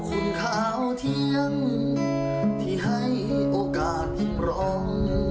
ทุกคนทุกซ่อนจะได้โอกาสถ่ายโอกาสที่พร้อม